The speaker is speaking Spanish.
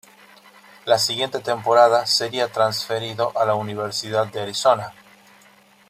La siguiente temporada sería transferido a la Universidad de Arizona.